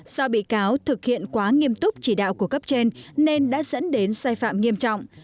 do bị cáo thực hiện quá nghiêm túc chỉ đạo của cấp trên nên đã dẫn đến sai phạm nghiêm trọng